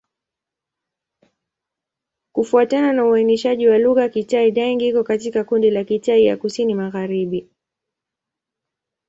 Kufuatana na uainishaji wa lugha, Kitai-Daeng iko katika kundi la Kitai ya Kusini-Magharibi.